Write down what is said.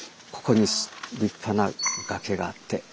ここに立派な崖があって。